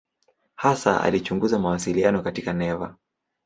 Hasa alichunguza mawasiliano katika neva.